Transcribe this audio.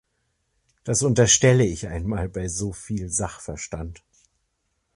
Das unterstelle ich einmal bei so viel Sachverstand.